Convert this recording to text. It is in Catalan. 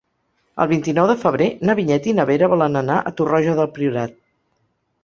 El vint-i-nou de febrer na Vinyet i na Vera volen anar a Torroja del Priorat.